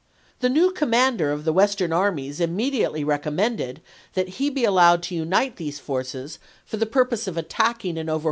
The new commander of the Western armies immediately recommended that he be al lowed to unite these forces for the purpose of attack Vol.